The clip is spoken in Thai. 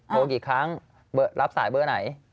โทรกี่ครั้งรับสายเบอร์ไหน